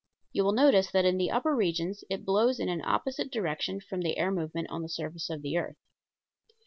You will notice that in the upper regions it blows in an opposite direction from the air movement on the surface of the earth.